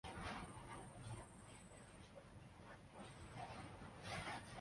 شکر ہے کہ آپ کا مسئلہ حل ہوگیا۔